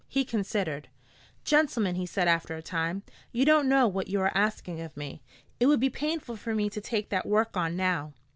He considered. "Gentlemen," he said after a time, "you don't know what you are asking of me. It would be painful for me to take that work on now."